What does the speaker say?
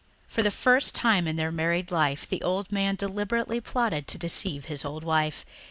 For the first time in their married life the old man deliberately plotted to deceive his old wife.